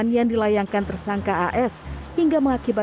iya illegal indonesia